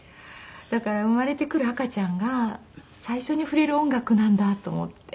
だから生まれてくる赤ちゃんが最初に触れる音楽なんだと思って。